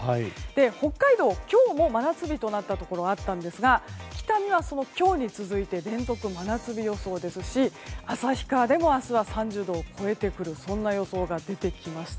北海道は今日も真夏日となったところあったんですが北見は今日に続いて連続真夏日予想ですし旭川でも明日は３０度を超えてくる予想が出てきました。